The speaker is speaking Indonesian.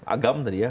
agam tadi ya